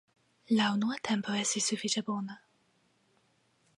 La unua tempo estis sufiĉe bona.